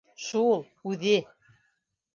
Шул... үҙе...